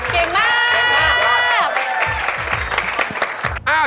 เก่งมาก